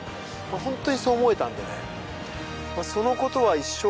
本当にそう思えたんでね。